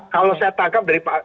kalau saya tangkap dari pak